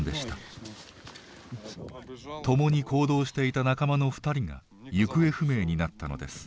共に行動していた仲間の２人が行方不明になったのです。